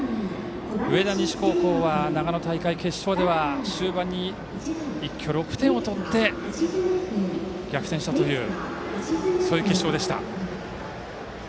上田西高校は長野大会決勝では終盤に一挙６点を取って逆転したという決勝でした。